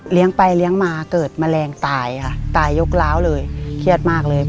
ไปเลี้ยงมาเกิดแมลงตายค่ะตายยกร้าวเลยเครียดมากเลย